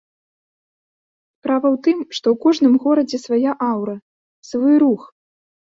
Справа ў тым, што ў кожным горадзе свая аўра, свой рух.